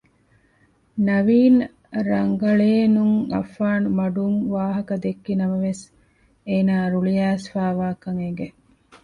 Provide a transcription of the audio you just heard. ނަވީން ރަނގަޅޭނުން އައްފާން މަޑުން ވާހަކަ ދެއްކި ނަމަވެސް އޭނާ ރުޅި އައިސްފައިވާކަން އެނގެ